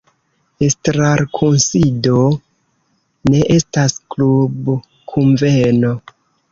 Estrarkunsido ne estas klubkunveno.